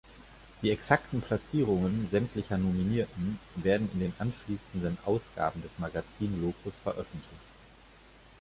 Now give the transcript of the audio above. Die exakten Platzierungen sämtlicher Nominierten werden in den anschließenden Ausgaben des Magazins "Locus" veröffentlicht.